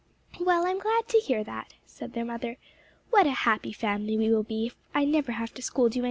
"Well, I'm glad to hear that," said their mother. "What a happy family we will be if I never have to scold you any more."